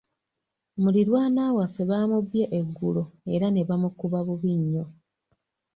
Muliraanwa waffe baamubbye eggulo era ne bamukuba bubi nnyo.